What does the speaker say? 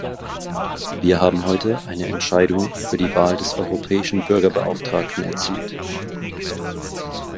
Wir haben heute eine Entscheidung über die Wahl des Europäischen Bürgerbeauftragten erzielt.